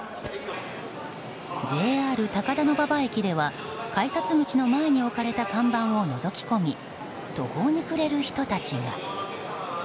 ＪＲ高田馬場駅では改札口の前に置かれた看板をのぞき込み途方に暮れる人たちも。